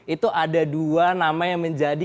itu ada dua nama yang menjadi